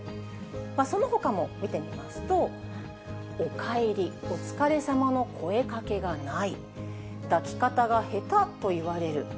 そのほかも見てみますと、おかえり、おつかれさまの声かけがない、抱き方が下手と言われる。